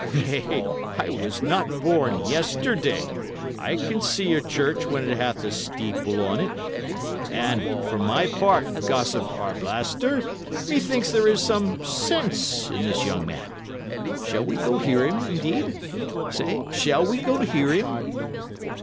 Nay, I was not born yesterday. I can see a church when it hath a steeple on it; and for my part, gossip Arblaster, methinks there is some sense in this young man. Shall we go hear him, indeed? Say, shall we go hear him?"